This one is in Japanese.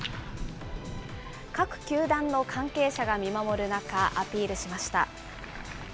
各球団の関係者が見守る中、アピールしました。